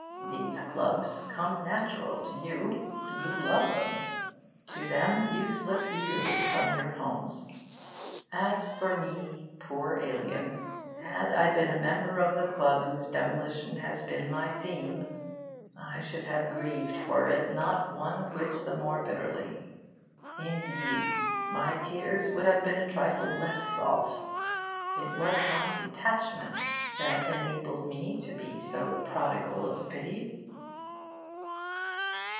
These clubs 'come natural' to you. You love them. To them you slip eagerly from your homes. As for me, poor alien, had I been a member of the club whose demolition has been my theme, I should have grieved for it not one whit the more bitterly. Indeed, my tears would have been a trifle less salt. It was my detachment that enabled me to be so prodigal of pity.